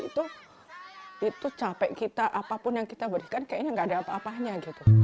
itu capek kita apapun yang kita berikan kayaknya gak ada apa apanya gitu